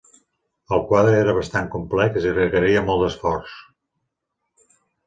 El quadre era bastant complex i requeria molt d'esforç.